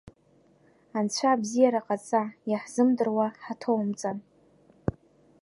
Анцәа абзиара ҟаҵа, иаҳзымдыруа ҳаҭоумҵан!